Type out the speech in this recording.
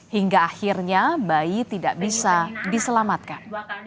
hingga akhirnya bayi tidak bisa diselamatkan